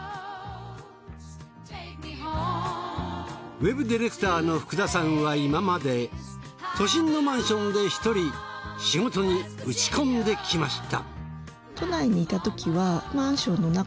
ウェブディレクターの福田さんは今まで都心のマンションで１人仕事に打ち込んできました。